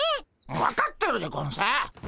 分かってるでゴンス。